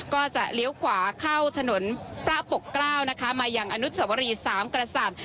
ก็จะเลี้ยวขวาเข้าถนประปกกร่าวนะคะมายังอณุถสวรีสามกระสัตว์